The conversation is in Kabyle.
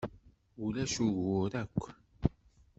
Ulac ugur akk.